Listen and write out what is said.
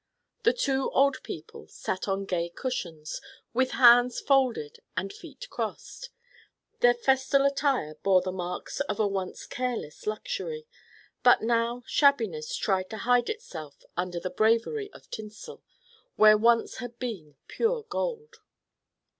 The two old people sat on gay cushions with hands folded and feet crossed. Their festal attire bore the marks of a once careless luxury, but now shabbiness tried to hide itself under the bravery of tinsel, where once had been pure gold.